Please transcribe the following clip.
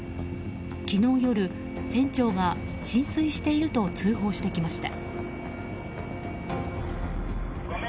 昨日夜、船長が浸水していると通報してきました。